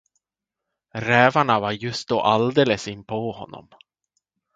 Rävarna var just då alldeles inpå honom.